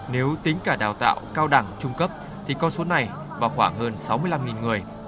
nếu tính cả đào tạo cao đẳng trung cấp thì con số này vào khoảng hơn sáu mươi năm người